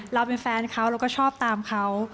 เราเป็นแฟนเขาเราก็ชอบตามเขา